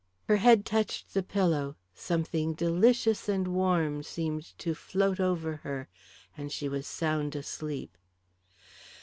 Her head touched the pillow, something delicious and warm seemed to float over her, and she was sound asleep.